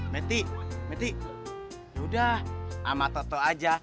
mati meti yaudah sama toto aja